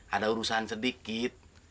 ada urusan sedikit